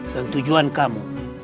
dan tujuan kamu